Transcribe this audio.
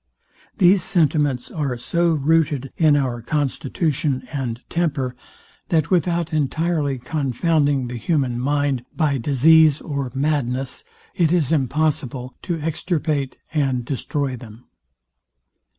These sentiments are so rooted in our constitution and temper, that without entirely confounding the human mind by disease or madness, it is impossible to extirpate and destroy them.